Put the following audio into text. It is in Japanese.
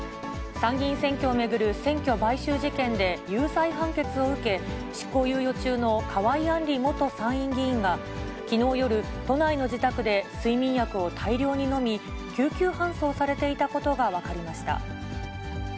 参議院選挙を巡る選挙買収事件で有罪判決を受け、執行猶予中の河井案里元参議院議員が、きのう夜、都内の自宅で睡眠薬を大量に飲み、救急搬送されていたことが分かりました。